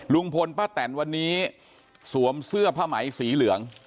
ลุงพลป้าแตนวันนี้สวมเสื้อผ้าไหมสีเหลือง